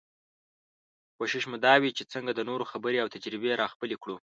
کوشش مو دا وي چې څنګه د نورو خبرې او تجربې راخپلې کړو.